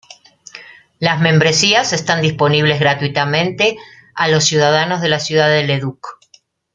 Las membresías están disponibles gratuitamente a los ciudadanos de la ciudad de Leduc.